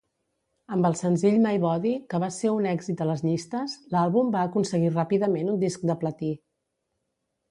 Amb el senzill "My Body", que va ser un èxit a les llistes, l'àlbum va aconseguir ràpidament un disc de platí.